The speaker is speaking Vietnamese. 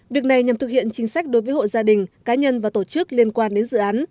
việc này nhằm thực hiện chính sách đối với hộ gia đình cá nhân và tổ chức liên quan đến dự án